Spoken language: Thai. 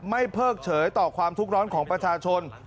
เพิกเฉยต่อความทุกข์ร้อนของประชาชน